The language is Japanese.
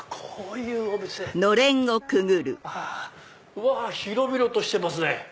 うわ広々としてますね。